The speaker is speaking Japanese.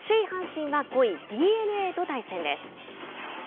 首位阪神は５位ＤｅＮＡと対戦です。